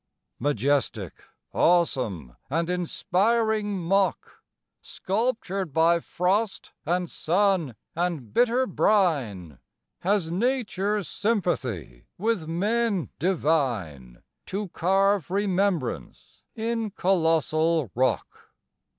Majestic, awesome and inspiring mock, Sculptured by frost and sun and bitter brine! Has nature sympathy with men divine, To carve remembrance in colossal rock?